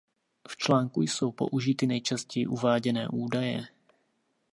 V článku jsou použity nejčastěji uváděné údaje.